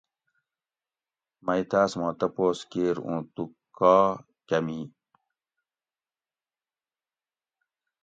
مئ تاۤس ما تپوس کِیر اُوں تو کا کۤمی